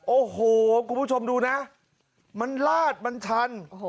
โอ้โหคุณผู้ชมดูนะมันลาดมันชัน